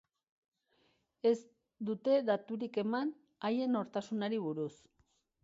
Ez dute daturik eman haien nortasunari buruz.